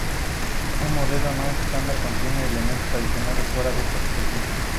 Un modelo no estándar contiene elementos adicionales fuera de esta sucesión.